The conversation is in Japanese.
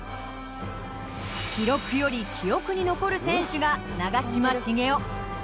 記録より記憶に残る選手が長嶋茂雄。